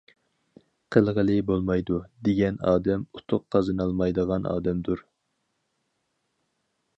قىلغىلى بولمايدۇ، دېگەن ئادەم ئۇتۇق قازىنالمايدىغان ئادەمدۇر.